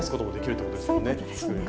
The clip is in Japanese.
そういうことですね。